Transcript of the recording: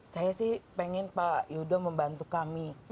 saya sih pengen pak yudo membantu kami